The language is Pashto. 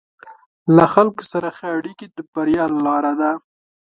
له خلکو سره ښه اړیکې د بریا لاره ده.